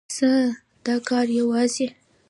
ځکه دا کار يوازې